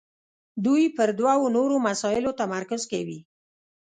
دوی پر دوو نورو مسایلو تمرکز کوي.